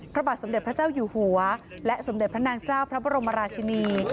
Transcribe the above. พระบาทสมเด็จพระเจ้าอยู่หัวและสมเด็จพระนางเจ้าพระบรมราชินี